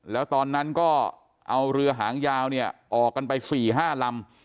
แล้วตอนนั้นก็เอาเรือหางยาวเนี่ยออกกันไป๔๕ลำ